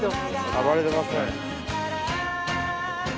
暴れてますね。